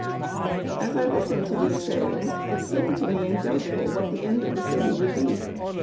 As I listened to these sayings it seemed to me doubtful what the end of the city would be.